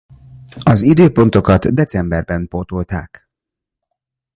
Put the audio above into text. Az időpontokat decemberbe pótolták.